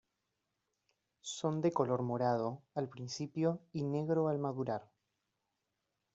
Son de color morado al principio y negro al madurar.